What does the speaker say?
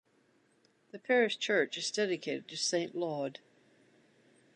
The parish church is dedicated to Saint Laud.